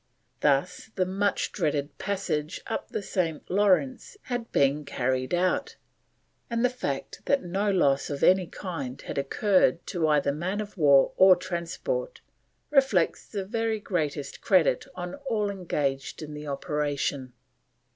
Thus the much dreaded passage up the St. Lawrence had been carried out, and the fact that no loss of any kind had occurred to either man of war or transport, reflects the very greatest credit on all engaged in the operation.